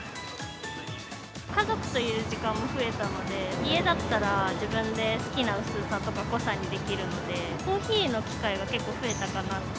家族といる時間も増えたので、家だったら、自分で好きな薄さとか濃さにできるので、コーヒーの機会が結構増えたかなって。